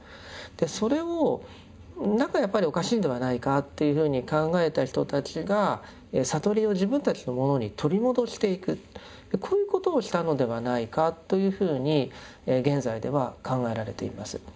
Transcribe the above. それを何かやっぱりおかしいんではないかというふうに考えた人たちがこういうことをしたのではないかというふうに現在では考えられています。